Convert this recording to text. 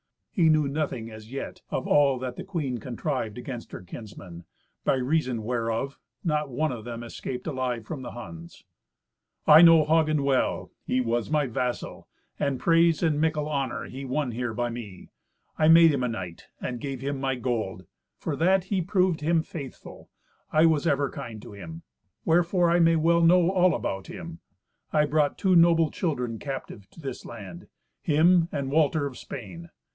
He knew nothing, as yet, of all that the queen contrived against her kinsmen: by reason whereof not one of them escaped alive from the Huns. "I know Hagen well. He was my vassal. Praise and mickle honour he won here by me. I made him a knight, and gave him my gold. For that he proved him faithful, I was ever kind to him. Wherefore I may well know all about him. I brought two noble children captive to this land—him and Walter of Spain.